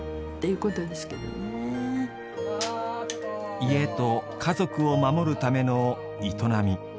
家と家族を守るための営み。